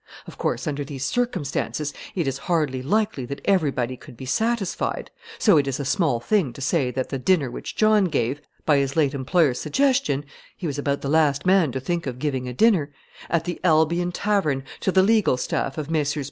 Of course, under these circumstances, it is hardly likely that everybody could be satisfied; so it is a small thing to say that the dinner which John gave by his late employers' suggestion (he was about the last man to think of giving a dinner) at the "Albion Tavern," to the legal staff of Messrs.